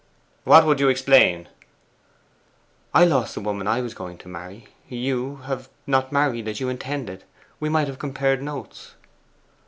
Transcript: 'What would you explain?' 'I lost the woman I was going to marry: you have not married as you intended. We might have compared notes.